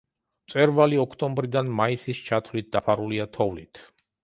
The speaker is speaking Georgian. მწვერვალი ოქტომბრიდან მაისის ჩათვლით დაფარულია თოვლით.